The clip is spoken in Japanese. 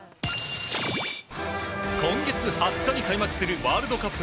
今月２０日に開幕するワールドカップ